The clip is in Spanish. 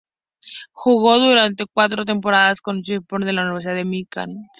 Jugó durante cuatro temporadas con los "Spartans" de la Universidad de Michigan State.